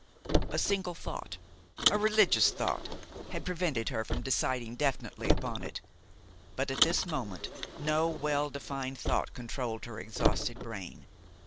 A single thought, a religious thought, had prevented her from deciding definitely upon it; but at this moment no well defined thought controlled her exhausted brain.